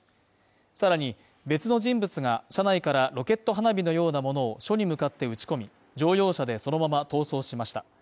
さらに、別の人物が、車内からロケット花火のようなものを署に向かって打ち込み、乗用車でそのまま逃走しました。